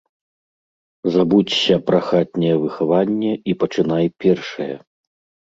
Забудзься пра хатняе выхаванне і пачынай першая.